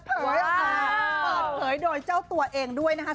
ถูกเปิดโดยเจ้าตัวเองด้วยนะครับ